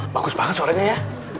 bagus banget suaranya ya